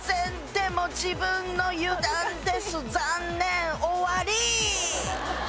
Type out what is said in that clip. でも自分の油断です残念終わり！